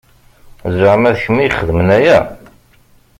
Zeɛma d kemm i ixedmen aya?